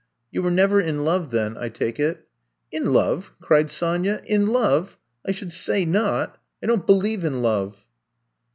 You were never in love then, I take it.'* In love! cried Sonya. *^In lovel I should say not! I don't believe in love!